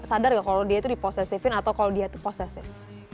sadar gak kalau dia itu diposesifin atau kalau dia itu posesif